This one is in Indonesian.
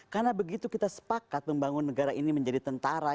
karena begitu kita sepakat membangun negara ini menjadi tentara